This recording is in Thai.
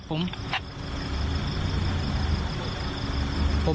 ผู้กอง